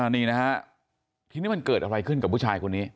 นี่นะฮะทีนี้มันเกิดอะไรขึ้นกับผู้ชายคนนี้